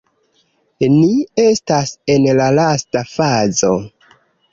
Ni estas en la lasta fazo